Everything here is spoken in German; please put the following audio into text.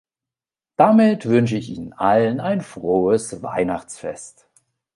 Damit wünsche ich Ihnen allen ein frohes Weihnachtsfest!